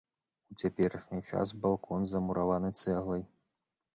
У цяперашні час балкон замураваны цэглай.